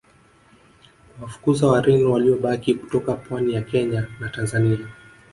kuwafukuza Wareno waliobaki kutoka pwani ya Kenya na Tanzania